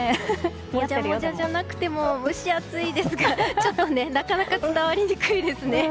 もじゃもじゃじゃなくても蒸し暑いですが伝わりにくいですね。